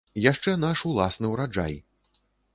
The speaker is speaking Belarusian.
Яшчэ наш уласны ураджай!